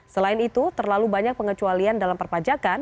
selain itu terlalu banyak pengecualian dalam perpajakan